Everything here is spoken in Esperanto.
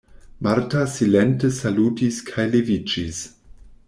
Marta silente salutis kaj leviĝis.